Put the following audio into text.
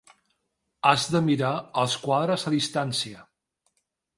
Has de mirar els quadres a distància.